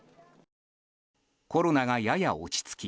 コロナがやや落ち着き